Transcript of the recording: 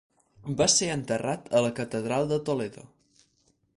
Va ser enterrat a la catedral de Toledo.